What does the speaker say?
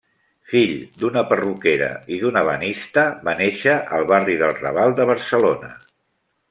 Fill d'una perruquera i d'un ebenista, va néixer al barri del Raval de Barcelona.